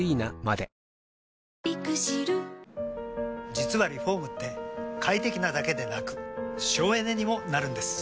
実はリフォームって快適なだけでなく省エネにもなるんです。